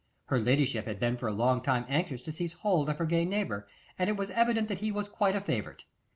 Her ladyship had been for a long time anxious to seize hold of her gay neighbour, and it was evident that he was quite 'a favourite.